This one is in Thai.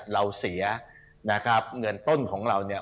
เราเสียเงินต้นของเรา